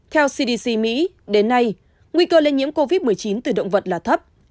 theo cdc mỹ đến nay nguy cơ lây nhiễm covid một mươi chín từ động vật là thấp